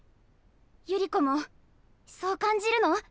百合子もそう感じるの？